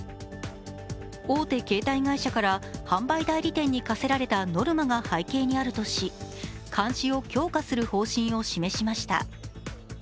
大手携帯会社から販売代理店に課せられたノルマが背景にあるとし、監視を強化する方針を示しました。